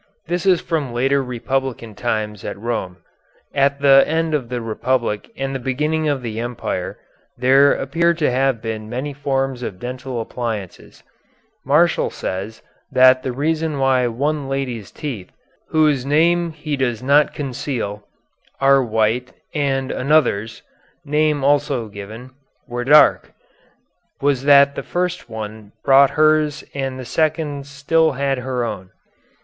This is from later Republican times at Rome. At the end of the Republic and the beginning of the Empire there appear to have been many forms of dental appliances. Martial says that the reason why one lady's teeth whose name he does not conceal are white and another's name also given were dark, was that the first one bought hers and the second still had her own.